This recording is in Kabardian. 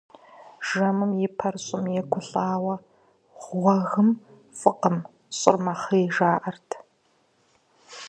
Жэмым и пэр щӀым егулӀауэ гъуэгым, фӀыкъым, щӀыр мэхъей, жаӀэрт.